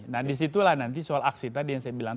nah disitulah nanti soal aksi tadi yang saya bilang